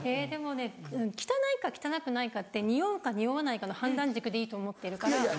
でもね汚いか汚くないかってにおうかにおわないかの判断軸でいいと思ってるから。